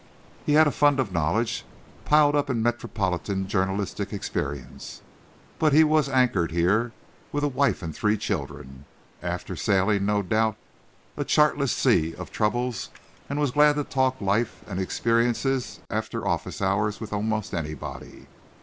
He had a fund of knowledge, piled up in metropolitan journalistic experience, but he was anchored here with a wife and three children, after sailing, no doubt, a chartless sea of troubles, and was glad to talk life and experiences after office hours with almost anybody.